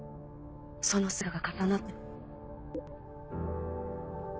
その姿が重なって。